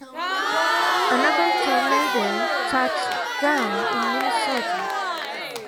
Another tornado touched down in Minnesota.